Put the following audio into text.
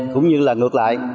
cũng như là ngược lại